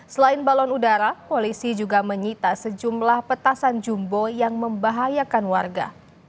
selain balon udara polisi juga menyita sejumlah petasan jumbo yang membahayakan warga